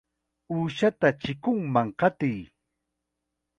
¡Uushata chikunman qatiy!